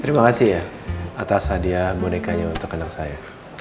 terima kasih ya atas hadiah bonekanya untuk anak saya